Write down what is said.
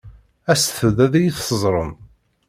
Aset-d ad iyi-teẓṛem.